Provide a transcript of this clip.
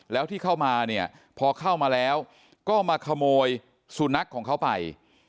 แล้วที่เข้ามาเนี่ยพอเข้ามาแล้วก็มาขโมยสุนัขของเขาไป